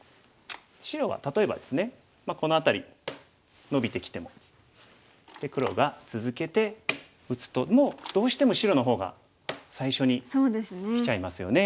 白は例えばですねこの辺りノビてきてもで黒が続けて打つともうどうしても白の方が最初にきちゃいますよね。